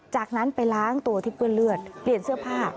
จากนั้นไปล้างตัวที่เปื้อนเลือดเปลี่ยนเสื้อผ้า